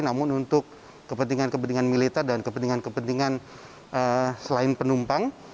namun untuk kepentingan kepentingan militer dan kepentingan kepentingan selain penumpang